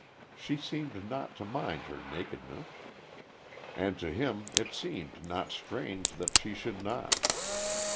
She seemed not to mind her nakedness. And to him it seemed not strange that she should not.